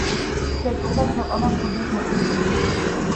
შეწუხდა ქვეყანა ქურდის მოქმედებით